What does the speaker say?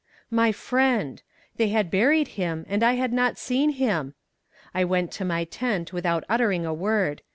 My friend! They had buried him, and I had not seen him! I went to my tent without uttering a word.